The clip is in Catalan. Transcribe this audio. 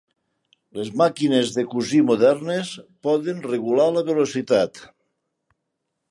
Les màquines de cosir modernes poden regular la velocitat.